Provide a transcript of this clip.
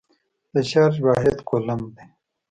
د چارج واحد کولم دی.